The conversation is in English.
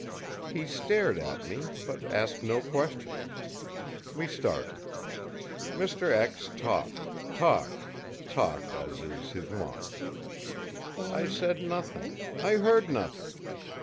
He stared at me, but asked no questions. We started. Mr. talked, talked, talked as is his wont. I said nothing; I heard nothing.